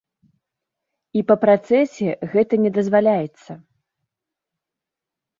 І па працэсе гэта не дазваляецца.